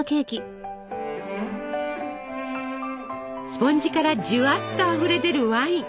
スポンジからじゅわっとあふれ出るワイン。